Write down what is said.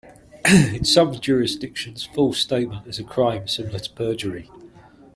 In some jurisdictions, false statement is a crime similar to perjury.